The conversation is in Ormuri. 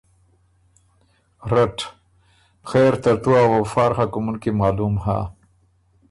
رټ: خېر ترتُو ا وفا ر خه کُومُن کی معلوم هۀ،